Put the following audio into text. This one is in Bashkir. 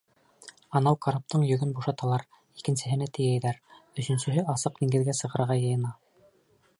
Анау караптың йөгөн бушаталар, икенсеһенә тейәйҙәр, өсөнсөһө асыҡ диңгеҙгә сығырға йыйына.